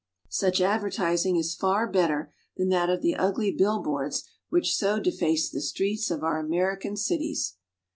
Such advertising is far better than that of the ugly bill boards which so deface the streets of our American cities.